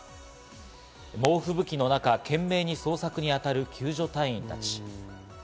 猛吹雪の中、懸命に捜索に当たる救助隊員たち。